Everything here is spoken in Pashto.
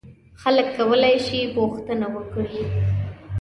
خلک کولای شي پوښتنه وکړي.